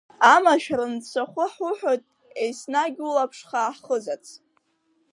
Амашәыр нцәахәы ҳуҳәоит еснагь улаԥш хаа ҳхызарц…